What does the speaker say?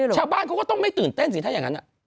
ชาวบ้านเขาก็ต้องไม่ตื่นเต้นสิถ้าอย่างนั้น